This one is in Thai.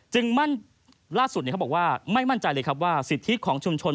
จึงมั่นล่าสุดบอกว่าไม่มั่นใจเลยว่าสิทธิของชุมชน